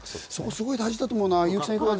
すごく大事だと思うな。